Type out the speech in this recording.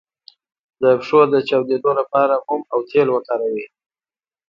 د پښو د چاودیدو لپاره موم او تېل وکاروئ